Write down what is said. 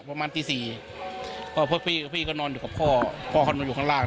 ประมาณตีสี่ก็พวกพี่กับพี่ก็นอนอยู่กับพ่อพ่อเขานอนอยู่ข้างล่าง